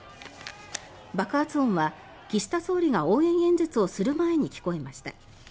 爆発音は岸田総理が応援演説をする前に聞こえました。